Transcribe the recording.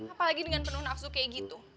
apalagi dengan penuh nafsu kayak gitu